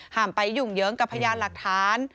ไปยุ่งเยิ้งกับพยานหลักฐาน